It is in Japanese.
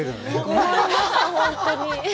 困ります、本当に。